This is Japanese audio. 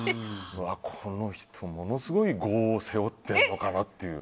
この人、ものすごい業を背負ってるのかなっていう。